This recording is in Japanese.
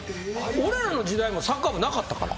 俺らの時代サッカー部なかったから。